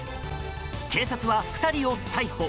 警察は２人を逮捕。